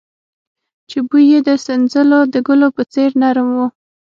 چې بوى يې د سنځلو د ګلو په څېر نرم و.